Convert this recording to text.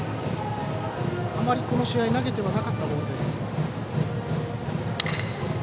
あまり、この試合投げてはなかったボール。